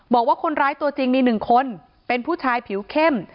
บอกว่าคนร้ายตัวจริงมี๑คนเป็นผู้ชายผิวเข้ม